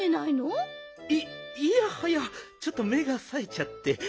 いいやはやちょっと目がさえちゃって。